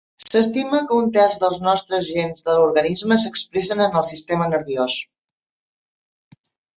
S'estima que un terç dels nostres gens de l'organisme s'expressen en el sistema nerviós.